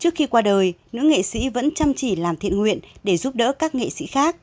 trước khi qua đời nữ nghệ sĩ vẫn chăm chỉ làm thiện nguyện để giúp đỡ các nghệ sĩ khác